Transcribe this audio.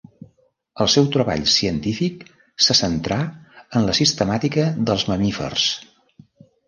El seu treball científic se centrà en la sistemàtica dels mamífers.